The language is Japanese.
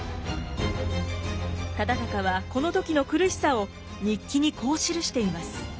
忠敬はこの時の苦しさを日記にこう記しています。